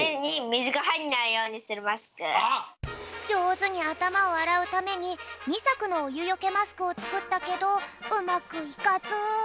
じょうずにあたまをあらうために２さくのおゆよけマスクをつくったけどうまくいかず。